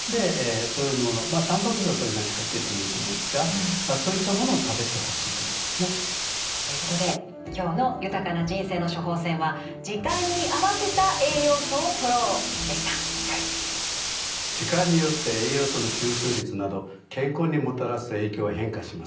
でまあたんぱく質はそれなりに入っててもいいと思うんですがそういったものを食べてほしいと思いますね。ということで今日の豊かな人生の処方せんは時間によって栄養素の吸収率など健康にもたらす影響は変化します。